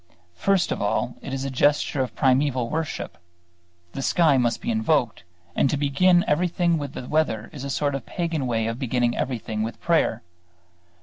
First of all it is a gesture of primeval worship. The sky must be invoked; and to begin everything with the weather is a sort of pagan way of beginning everything with prayer.